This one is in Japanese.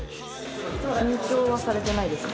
緊張はされてないですか？